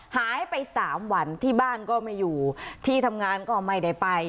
หายไปสามวันที่บ้านก็ไม่อยู่ที่ทำงานก็ไม่ได้ไป